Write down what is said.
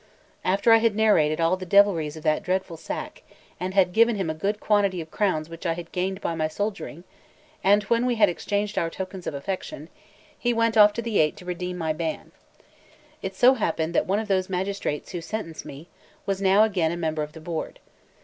After I had narrated all the devilries of that dreadful sack, and had given him a good quantity of crowns which I had gained by my soldiering, and when we had exchanged our tokens of affection, he went off to the Eight to redeem my ban. It so happened that one of those magistrates who sentenced me, was now again a member of the board.